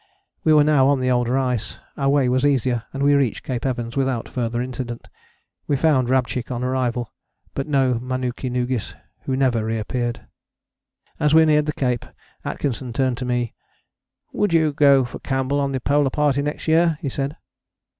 We were now on the older ice: our way was easier and we reached Cape Evans without further incident. We found Rabchick on arrival, but no Manuki Noogis, who never reappeared. As we neared the Cape Atkinson turned to me: "Would you go for Campbell or the Polar Party next year?" he said.